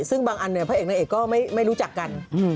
ซึ่งบางอันเนี่ยพระเอกนางเอกก็ไม่รู้จักกัน